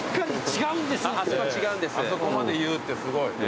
あそこまで言うってすごい。